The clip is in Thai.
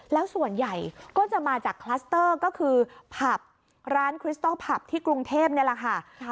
แล้วส่วนใหญ่ก็จะมาจากคลัสเตอร์ก็คือผับร้านคริสตอลผับที่กรุงเทพนี่แหละค่ะ